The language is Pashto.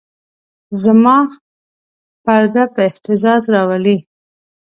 صماخ پرده په اهتزاز راولي.